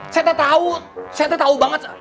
saya tak tahu saya tuh tahu banget